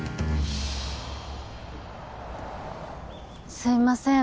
すいません